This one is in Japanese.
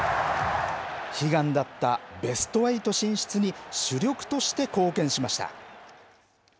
悲願だった、ベスト８進出に主力として貢献しました。